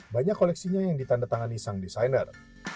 banyak koleksinya yang ditanda tangan isang desainer